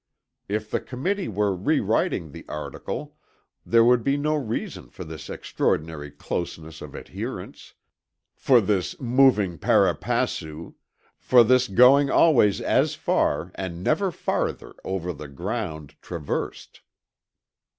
If the Committee were rewriting the article, there would be no reason for this extraordinary closeness of adherence for this moving pari passu for this going always as far and never farther over the ground traversed.